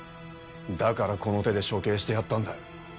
だからこの手で処刑してやったんだよ。